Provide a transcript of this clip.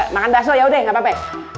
makan bakso yaudah gapapa